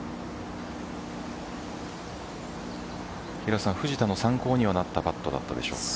平瀬さん、藤田の参考になったパットだったでしょうか。